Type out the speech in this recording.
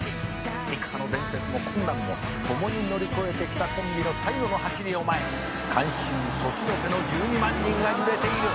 「幾多の伝説も困難も共に乗り越えてきたコンビの最後の走りを前に観衆年の瀬の１２万人が揺れている」